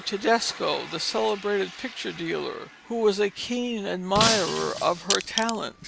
Tedesco, the celebrated picture dealer, who was a keen admirer of her talent.